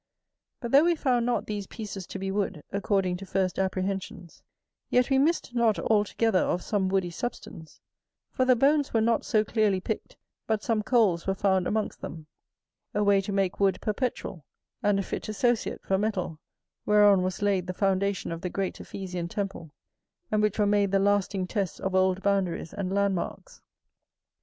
But though we found not these pieces to be wood, according to first apprehensions, yet we missed not altogether of some woody substance; for the bones were not so clearly picked but some coals were found amongst them; a way to make wood perpetual, and a fit associate for metal, whereon was laid the foundation of the great Ephesian temple, and which were made the lasting tests of old boundaries and landmarks.